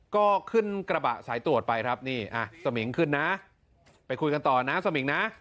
ก็ขึ้นกระบะสายตรวจไปครับนี่สมิงขึ้นนะไปคุยกันต่อนะสมิงนะ